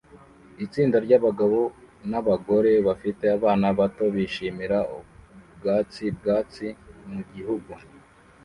Itsinda ryabagabo nabagore bafite abana bato bishimira ubwatsi bwatsi mugihugu